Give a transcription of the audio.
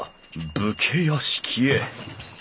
武家屋敷へ。